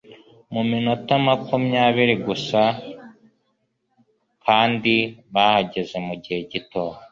muminota makumyabiri gusa kandi bahageze mugihe gito